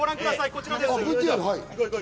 こちらです。